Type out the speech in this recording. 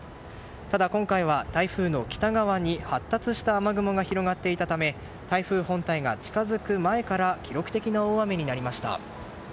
ただ、今回は台風の北側に発達した雨雲が広がっていたため台風本体が近づく前から記録的な大雨になりました。